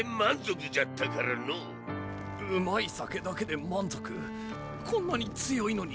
うまい酒だけで満足こんなに強いのに。